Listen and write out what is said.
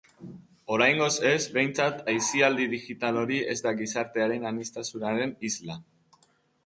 Oraingoz ez, behintzat, aisialdi digital hori ez da gizartearen aniztasunaren isla.